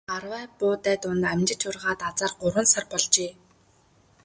Арвай буудай дунд амжиж ургаад азаар гурван сар болжээ.